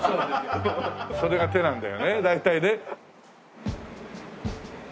それが手なんだよね大体ね。